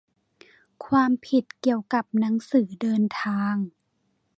ความผิดเกี่ยวกับหนังสือเดินทาง